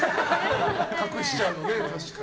隠しちゃうのね。